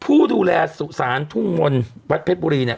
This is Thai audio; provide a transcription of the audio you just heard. ผู้ดูแลสุสานทุ่งมนต์วัดเพชรบุรีเนี่ย